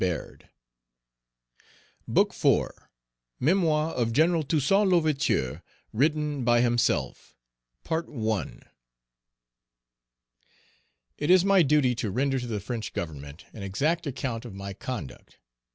Page 295 MEMOIR OF GENERAL TOUSSAINT L'OUVERTURE. WRITTEN BY HIMSELF. IT is my duty to render to the French Government an exact account of my conduct.